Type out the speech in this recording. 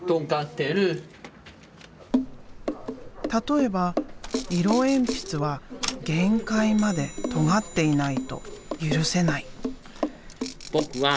例えば色鉛筆は限界までとがっていないと許せない。